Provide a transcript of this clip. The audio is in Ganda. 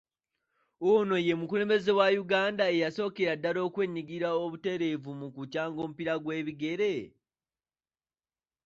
Ono ye mukulembeze wa Uganda eyasookera ddala okwenyigira obutereevu mu kukyanga omupiira gw’ebigere?